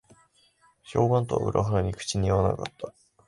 評判とは裏腹に口に合わなかった